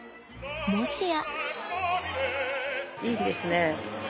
もしや。